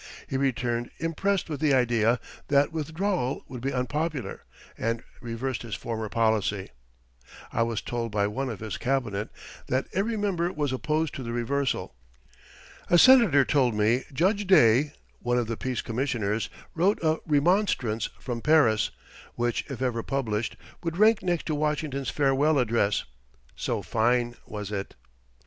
He returned, impressed with the idea that withdrawal would be unpopular, and reversed his former policy. I was told by one of his Cabinet that every member was opposed to the reversal. A senator told me Judge Day, one of the Peace Commissioners, wrote a remonstrance from Paris, which if ever published, would rank next to Washington's Farewell Address, so fine was it.